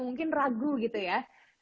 mungkin ragu gitu ya